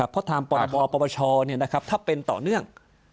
เพราะทางปรบอบประบชนิดถ้าเป็นต่อเนื่อง